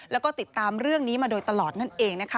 แล้วก็ติดตามเรื่องนี้มาโดยตลอดนั่นเองนะคะ